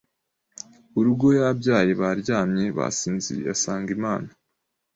urugo yabyaye baryamye basinziriye Asanga Imana